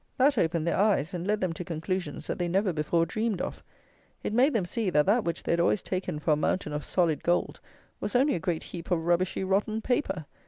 That opened their eyes, and led them to conclusions that they never before dreamed of. It made them see that that which they had always taken for a mountain of solid gold was only a great heap of rubbishy, rotten paper!